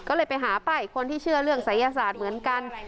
ก็เลยไปหาป้ายคนที่เชื่อเรื่องศัยศาสตร์เหมือนกัน